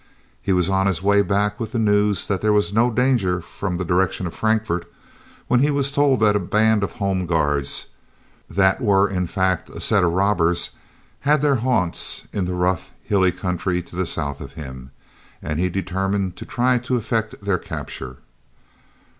He was on his way back with the news that there was no danger from the direction of Frankfort, when he was told that a band of Home Guards, that were in fact a set of robbers, had their haunts in the rough, hilly country to the south of him, and he determined to try to effect their capture.